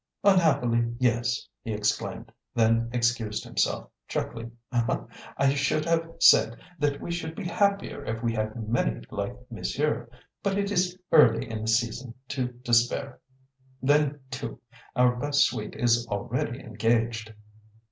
"Unhappily, yes!" he exclaimed; then excused himself, chuckling. "I should have said that we should be happier if we had many like monsieur. But it is early in the season to despair. Then, too, our best suite is already engaged."